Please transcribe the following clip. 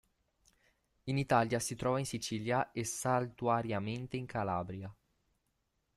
In Italia si trova in Sicilia e saltuariamente in Calabria.